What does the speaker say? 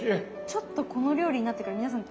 ちょっとこの料理になってから皆さん